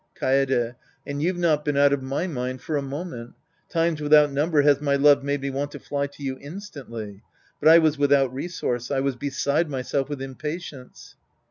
Kaede. And you've not been out of my mind for a moment. Times without number has my love made me want to fly to you instantly. But I was without resource. I was beside myself with impatience.